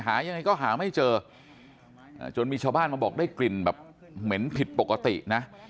หายังไงก็หาไม่เจอจนมีชาวบ้านมาบอกได้กลิ่นแบบเหม็นผิดปกตินะ